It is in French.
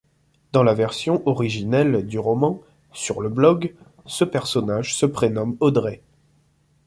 Dans la version originelle du roman, sur le blog, ce personnage se prénomme Audrey.